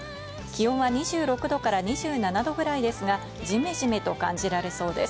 気温は２６度から２７度くらいですが、じめじめと感じられそうで